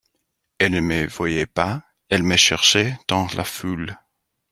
Elle ne me voyait pas, elle me cherchait dans la foule.